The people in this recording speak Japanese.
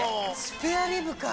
スペアリブか！